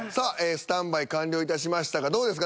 スタンバイ完了いたしましたがどうですか？